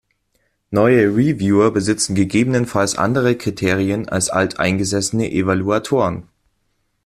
Neue Reviewer besitzen ggf. andere Kriterien als alteingesessene Evaluatoren.